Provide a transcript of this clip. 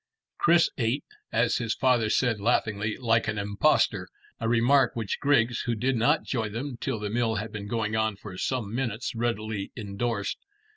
Chris ate, as his father said laughingly, like an impostor, a remark which Griggs, who did not join them till the meal had been going on for some minutes, readily endorsed.